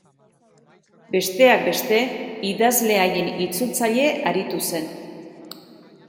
Besteak beste, idazle haien itzultzaile aritu zen.